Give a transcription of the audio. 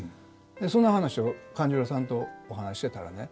その話を勘十郎さんとお話ししてたらね